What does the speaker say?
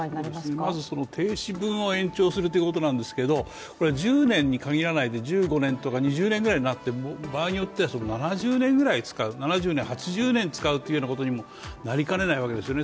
まず停止分を延長するということなんですけれどもこれは１０年にかぎらないで、１５年とか２０年とか場合によっては７０年ぐらい使う、７０年、８０年使うとにもなりかねないわけですよね。